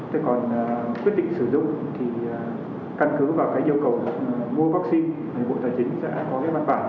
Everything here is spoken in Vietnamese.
thế còn quyết định sử dụng thì căn cứ vào cái yêu cầu mua vắc xin thì bộ tài chính sẽ có cái bản bản